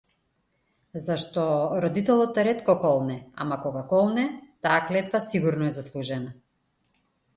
Зашто, родителот ретко колне, ама кога колне, таа клетва сигурно е заслужена.